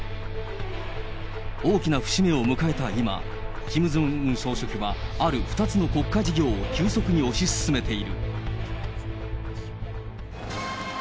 大きな節目を迎えた今、キム・ジョンウン総書記は、ある２つの国家事業を急速に押し進めている。